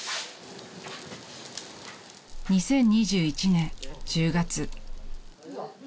［２０２１年１０月］